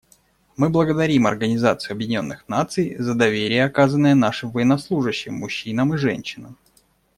Мы благодарим Организацию Объединенных Наций за доверие, оказанное нашим военнослужащим — мужчинам и женщинам.